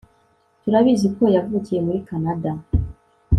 turabizi ko yavukiye muri kanada